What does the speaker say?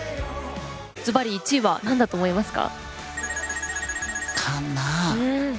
ズバリ１位はなんだと思いますか？